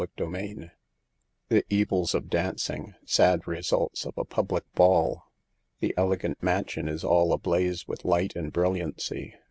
CHAPTER III. THE EVILS OF DANCING — SAD RESULTS OF A PUBLIC BALL. The elegant mansion is all ablaze with ligtifc and brilliancy.